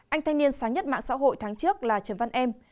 anh thanh niên sáng nhất mạng xã hội tháng trước là trần văn em